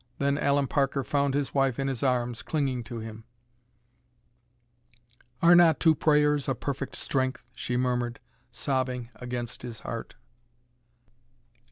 Then Allen Parker found his wife in his arms, clinging to him. "'Are not two prayers a perfect strength?'" she murmured, sobbing against his heart.